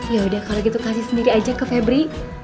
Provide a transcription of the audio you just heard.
yaudah kalau gitu kasih sendiri aja ke febri